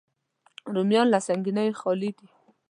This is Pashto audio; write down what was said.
رومیان له سنګینیو خالي دي